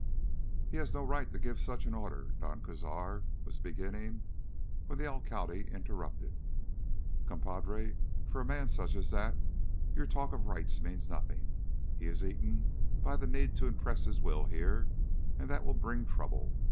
"He has no right to give such an order," Don Cazar was beginning when the alcalde interrupted: "Compadre, for a man such as that your talk of rights means nothing. He is eaten by the need to impress his will here, and that will bring trouble.